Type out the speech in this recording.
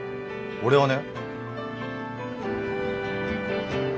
俺はね。